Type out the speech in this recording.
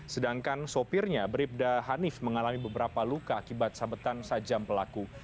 sedangkan sopirnya bribda hanif mengalami beberapa luka akibat sabetan sajam pelaku